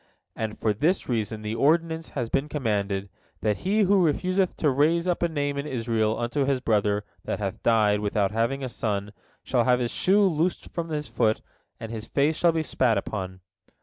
And for this reason the ordinance has been commanded, that he who refuseth to raise up a name in Israel unto his brother that hath died without having a son, shall have his shoe loosed from off his foot, and his face shall be spat upon.